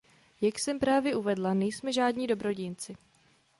Jak jsem právě uvedla, nejsme žádní dobrodinci.